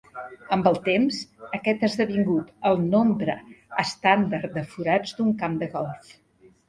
Amb el temps, aquest ha esdevingut el nombre estàndard de forats d'un camp de golf.